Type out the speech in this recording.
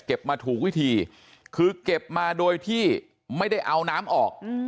มาถูกวิธีคือเก็บมาโดยที่ไม่ได้เอาน้ำออก